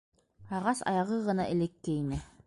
Ағас аяғы гына элекке ине.